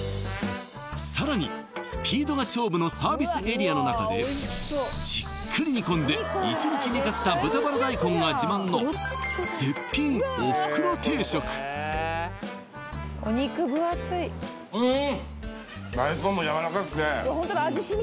さらにスピードが勝負のサービスエリアの中でじっくり煮込んでが自慢の絶品うん！